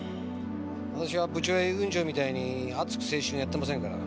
私は部長や遊軍長みたいに熱く青春やってませんから。